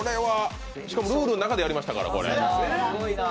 しかもルールの中でやりましたから。